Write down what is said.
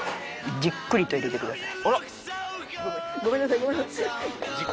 じっくりと入れてください。